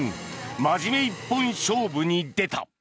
真面目一本勝負に出た。